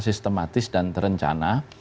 sistematis dan terencana